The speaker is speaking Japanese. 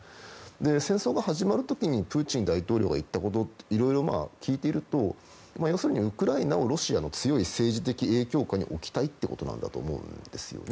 戦争が始まる時にプーチン大統領が言ったことをいろいろ聞いていると要するにウクライナをロシアの強い政治的影響下に置きたいということだと思うんですよね。